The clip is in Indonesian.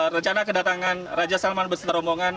rencana kedatangan raja salman beserta rombongan